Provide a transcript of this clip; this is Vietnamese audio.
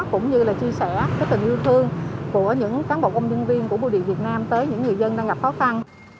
cũng như là chia sẻ tình yêu thương của những cán bộ công nhân viên của bưu điện việt nam tới những người dân đang gặp khó khăn